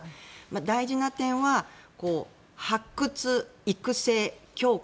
大事な点は発掘、育成、強化